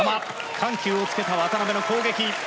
緩急をつけた渡辺の攻撃。